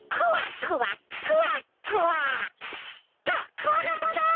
ククワガタだ！